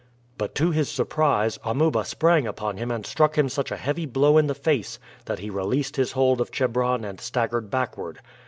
But to his surprise Amuba sprang upon him and struck him such a heavy blow in the face that he released his hold of Chebron and staggered backward.